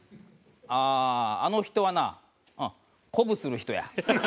ああーあの人はなうん鼓舞する人や。